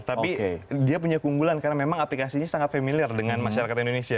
tapi dia punya keunggulan karena memang aplikasinya sangat familiar dengan masyarakat indonesia